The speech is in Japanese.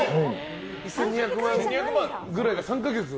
１２００万円くらいが３か月？